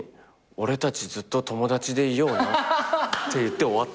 「俺たちずっと友達でいような！」って言って終わったの。